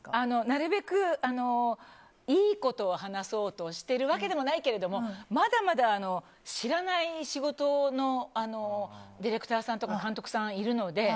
なるべくいいことを話そうとしてるわけでもないけどまだまだ知らない仕事のディレクターさんとか監督さんがいるので。